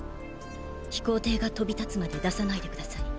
飛行艇が飛び立つまで出さないで下さい。